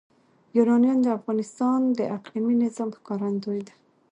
یورانیم د افغانستان د اقلیمي نظام ښکارندوی ده.